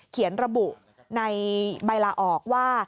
เขียนระบุในใบลาออกว่า